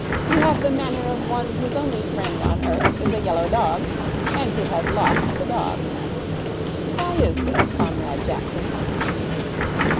You have the manner of one whose only friend on earth is a yellow dog, and who has lost the dog. Why is this, Comrade Jackson?'